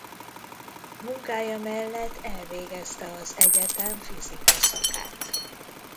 Munkája mellett elvégezte az egyetem fizika szakát.